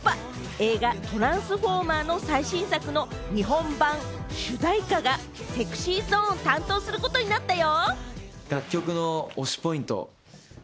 映画『トランスフォーマー』の最新作の日本版主題歌がＳｅｘｙＺｏｎｅが担当することになったよ。